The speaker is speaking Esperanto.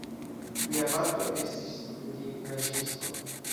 Lia patro estis lignaĵisto.